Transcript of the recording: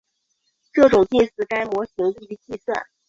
这种近似使该模型易于计算。